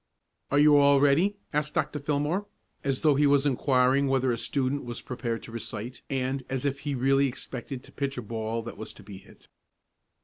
"Are you all ready?" asked Dr. Fillmore, as though he was inquiring whether a student was prepared to recite, and as if he really expected to pitch a ball that was to be hit.